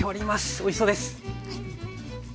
おいしそうです！